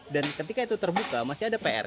dan ketika itu terbuka masih ada pr